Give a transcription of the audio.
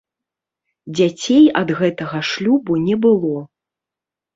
Дзяцей ад гэтага шлюбу не было.